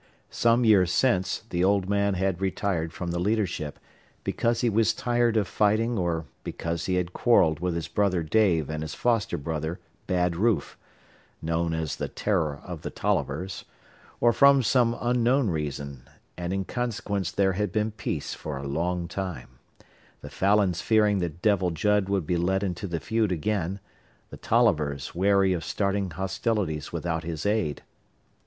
Some years since the old man had retired from the leadership, because he was tired of fighting or because he had quarrelled with his brother Dave and his foster brother, Bad Rufe known as the terror of the Tollivers or from some unknown reason, and in consequence there had been peace for a long time the Falins fearing that Devil Judd would be led into the feud again, the Tollivers wary of starting hostilities without his aid.